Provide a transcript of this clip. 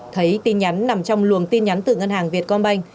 thấy tin nhắn nằm trong luồng tin nhắn từ ngân hàng vietcombank